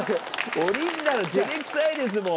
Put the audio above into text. オリジナルてれくさいですもん。